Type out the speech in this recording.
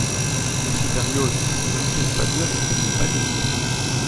Monsieur Berrios, ne me faites pas dire ce que je n’ai pas dit.